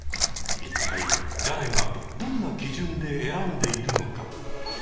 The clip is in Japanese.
一体誰がどんな基準で選んでいるのか？